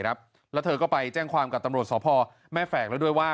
แล้วเธอก็ไปแจ้งความกับตำรวจสพแม่แฝกแล้วด้วยว่า